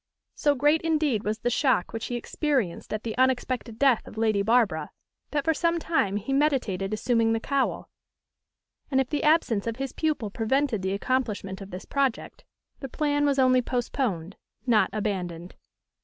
So great indeed was the shock which he experienced at the unexpected death of Lady Barbara, that for some time he meditated assuming the cowl; and if the absence of his pupil prevented the accomplishment of this project, the plan was only postponed, not abandoned.